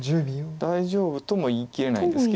大丈夫とも言いきれないです。